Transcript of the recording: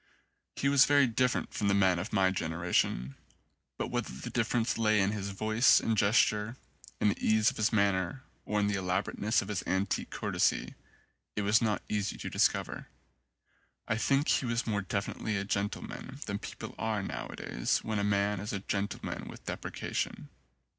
He was very different from the men of my gen eration ; but whether the difference lay in his voice and gesture, in the ease of his manner, or in the elaborateness of his antique courtesy, it was not easy to discover. I think he was more definitely a gentleman than people are nowadays when a man is a gentleman with deprecation.